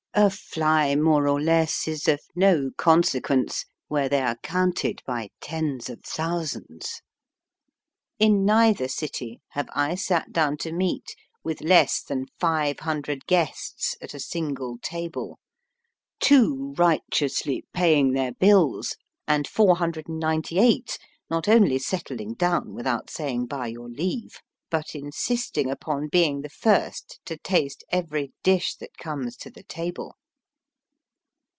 A fly more or less is of no consequence where they are counted by tens of thousands. In neither city have I sat down to meat with less than five hundred guests at a single table, two righteously paying their bills and 498 not only settling down without saying ^* by your leave," but insisting upon being the first to taste every dish that comes to the table.